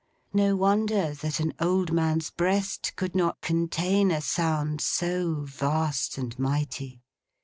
No wonder that an old man's breast could not contain a sound so vast and mighty.